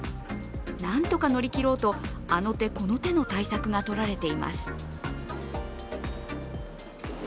なんとか乗り切ろうと、あの手この手の対策がとられています。